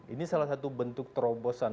ini salah satu bentuk terobosan